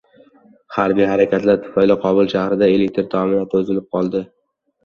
Harbiy harakatlar tufayli Qobul shahrida elektr ta’minoti uzilib qoldi